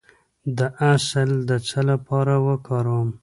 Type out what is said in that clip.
د عسل د څه لپاره وکاروم؟